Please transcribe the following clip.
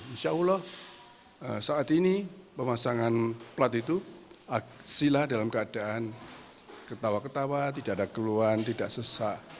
insya allah saat ini pemasangan plat itu sila dalam keadaan ketawa ketawa tidak ada keluhan tidak sesak